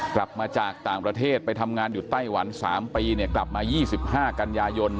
กลับมาจากต่างประเทศไปทำงานอยู่ไต้หวัน๓ปีกลับมา๒๕กันยายน